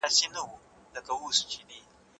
د لاس لیکنه د راتلونکي نسل پر وړاندي زموږ مسؤلیت دی.